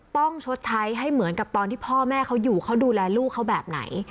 ชดใช้ให้เหมือนกับตอนที่พ่อแม่เขาอยู่เขาดูแลลูกเขาแบบไหน